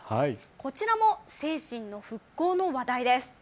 こちらも精神の復興の話題です。